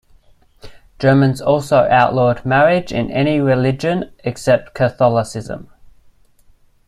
Germans also outlawed marriage and any religion except Catholicism.